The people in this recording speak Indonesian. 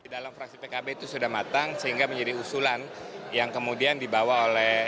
di dalam fraksi pkb itu sudah matang sehingga menjadi usulan yang kemudian dibawa oleh